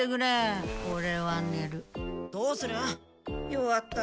弱った。